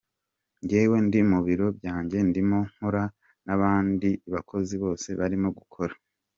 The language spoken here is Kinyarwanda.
Njyewe ndi mu biro byanjye ndimo nkora n'abandi bakozi bose barimo gukora.